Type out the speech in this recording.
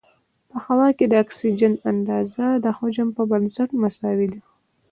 په هوا کې د اکسیجن اندازه د حجم په بنسټ مساوي ده.